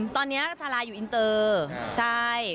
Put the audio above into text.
ตอนนี้ทลายอยู่อินเตอร์ใช่